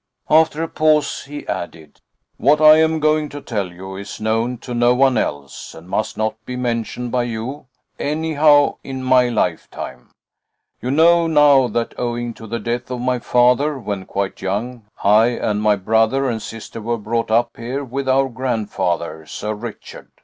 After a pause, he added: "What I am going to tell you is known to no one else, and must not be mentioned by you anyhow, in my lifetime, You know now that, owing to the death of my father when quite young, I and my brother and sister were brought up here with our grandfather, Sir Richard.